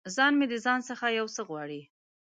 ځان مې د ځان څخه یو څه غواړي